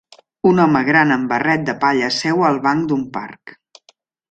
Un home gran amb barret de palla seu al banc d'un parc.